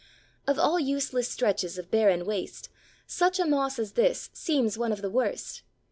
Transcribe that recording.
Of all useless stretches of barren waste, such a moss as this seems one of the worst.